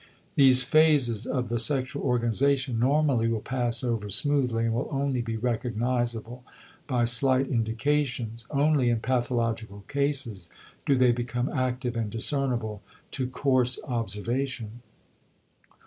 These phases of the sexual organization normally will pass over smoothly and will only be recognizable by slight indications. Only in pathological cases do they become active and discernible to coarse observation.